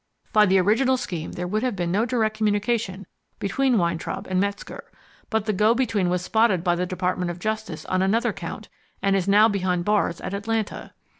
By the original scheme there would have been no direct communication between Weintraub and Metzger, but the go between was spotted by the Department of Justice on another count, and is now behind bars at Atlanta.